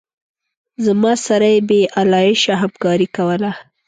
زما سره یې بې آلایشه همکاري کوله.